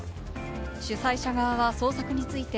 主催者側は捜索について